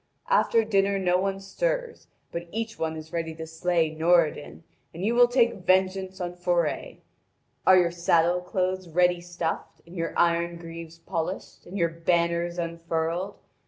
After dinner no one stirs, but each one is ready to slay Noradin, and you will take vengeance on Forre! Are your saddle cloths ready stuffed, and your iron greaves polished, and your banners unfurled?